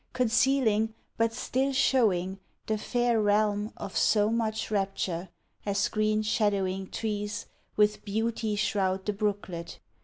Concealing, but still showing, the fair realm Of so much rapture, as green shadowing trees With beauty shroud the brooklet.